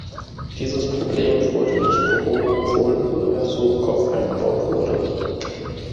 Dieses Problem wurde nicht behoben, obwohl ein neuer Suchkopf eingebaut wurde.